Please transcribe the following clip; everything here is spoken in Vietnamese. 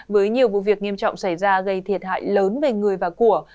với nhiều vụ việc nghiêm trọng xảy ra gây thiệt hại lớn về người và của